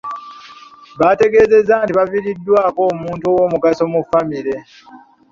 Baategeezezza nti baviiriddwako omuntu owoomugaso mu ffamire.